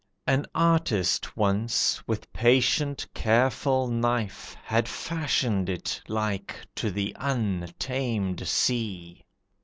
An artist once, with patient, careful knife, Had fashioned it like to the untamed sea.